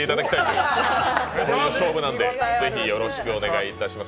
いい勝負なんでぜひよろしくお願いします。